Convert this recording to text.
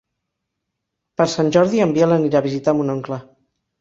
Per Sant Jordi en Biel anirà a visitar mon oncle.